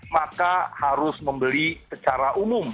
maka harus membeli secara umum